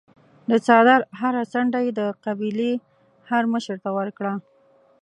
د څادر هره څنډه یې د قبیلې هرمشر ته ورکړه.